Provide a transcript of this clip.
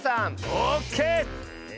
オッケー！